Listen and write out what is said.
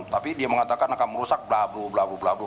tapi dia mengatakan akan merusak blablu blablu blablu